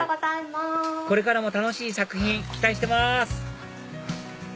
これからも楽しい作品期待してます